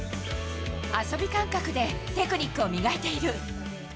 遊び感覚でテクニックを磨いている。